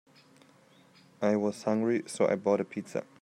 I was hungry, so I bought a pizza.